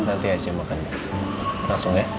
nanti aja makan langsung ya